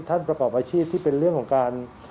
ประกอบอาชีพที่เป็นเรื่องของการ